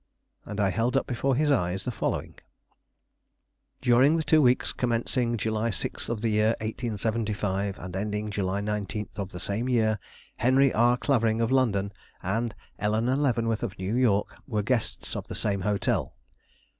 And I held up before his eyes the following: "During the two weeks commencing July 6, of the year 1875, and ending July 19, of the same year, Henry R. Clavering, of London, and Eleanore Leavenworth, of New York, were guests of the same hotel.